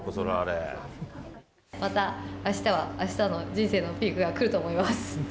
またあしたはあしたの人生のピークが来ると思います。